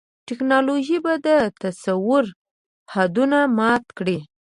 ټیکنالوژي به د تصور حدونه مات کړي.